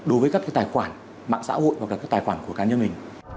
đối với các cái tài khoản mạng xã hội hoặc là các tài khoản của cá nhân mình